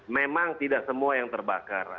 memang tidak semua yang terbakar